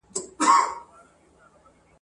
سپین باړخو دی لکه گل دی سر تر پایه د گل څانگه ..